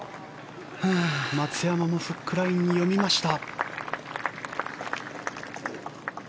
松山もフックラインに読みました。